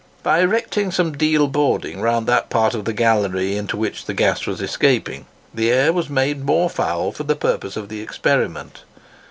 By erecting some deal boarding round that part of the gallery into which the gas was escaping, the air was made more foul for the purpose of the experiment.